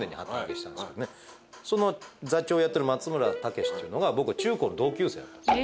その座長をやってる松村武っていうのが僕中高の同級生だったんです。